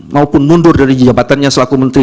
maupun mundur dari jabatannya